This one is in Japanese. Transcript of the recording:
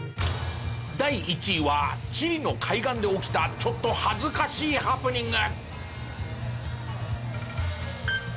第１位はチリの海岸で起きたちょっと恥ずかしいハプニング。